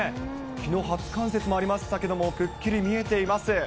きのう、初冠雪もありましたけれども、くっきりみえています